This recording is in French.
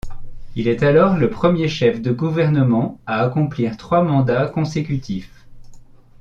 Il est alors le premier chef de gouvernement à accomplir trois mandats consécutifs.